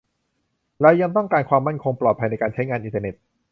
เรายังต้องการความมั่นคงปลอดภัยในการใช้งานอินเทอร์เน็ต